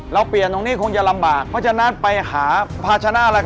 เปลี่ยนตรงนี้คงจะลำบากเพราะฉะนั้นไปหาภาชนะ